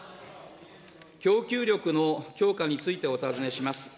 供給力の強化についてお尋ねします。